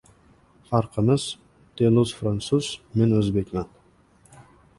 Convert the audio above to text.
Farqimiz, Deluz fransuz, men o‘zbekman".